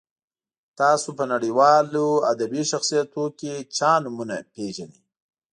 تاسو په نړیوالو ادبي شخصیتونو کې چا نومونه پیژنئ.